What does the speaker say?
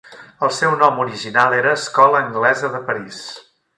El seu nom original era Escola Anglesa de París.